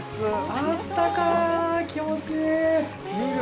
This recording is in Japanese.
あったかあ、気持ちいい。